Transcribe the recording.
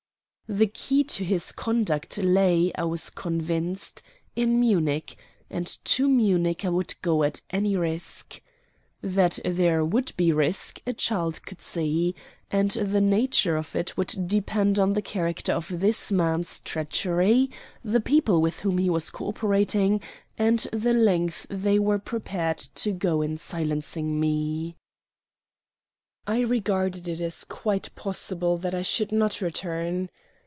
The key to his conduct lay, I was convinced, in Munich and to Munich I would go at any risk. That there would be risk a child could see; and the nature of it would depend on the character of this man's treachery, the people with whom he was co operating, and the length they were prepared to go in silencing me. I regarded it as quite possible that I should not return.